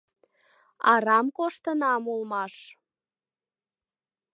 Арам коштынам улмаш.